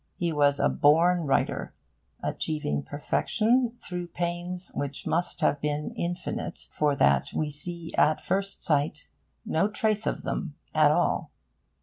He was a born writer, achieving perfection through pains which must have been infinite for that we see at first sight no trace of them at all.